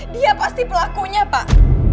dia pasti pelakunya pak